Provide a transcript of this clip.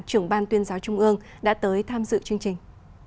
trưởng ban tuyên giáo trung ương đã tới tham dự chương trình